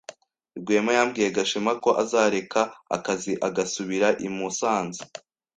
Rwema yabwiye Gashema ko azareka akazi agasubira i Musanze.